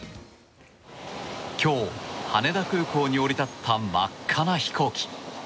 今日、羽田空港に降り立った真っ赤な飛行機。